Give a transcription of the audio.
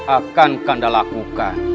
akan kanda lakukan